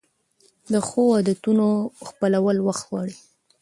د ښو عادتونو خپلول وخت غواړي.